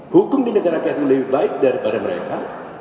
hukum di negara kita lebih baik daripada mereka